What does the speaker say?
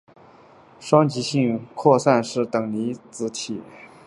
双极性扩散是等离子体的正负粒子在电场中由于相互作用等速远离的扩散方式。